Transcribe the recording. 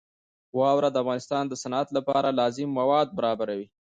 واوره د افغانستان د صنعت لپاره لازم مواد برابروي.